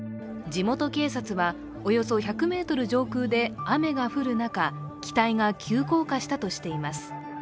地元警察は、およそ１００ｍ上空で雨が降る中機体が急降下したとしています。